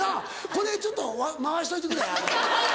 これちょっと回しといてくれ。